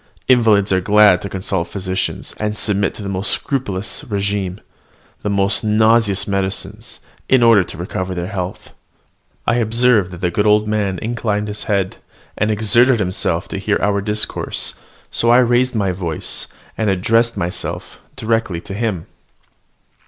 Invalids are glad to consult physicians, and submit to the most scrupulous regimen, the most nauseous medicines, in order to recover their health." I observed that the good old man inclined his head, and exerted himself to hear our discourse; so I raised my voice, and addressed myself directly to him.